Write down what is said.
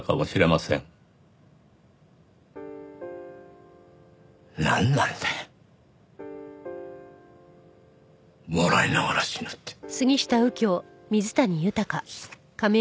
なんなんだよ笑いながら死ぬって。